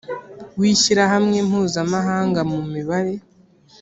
w ishyirahamwe mpuzamahanga mu mibare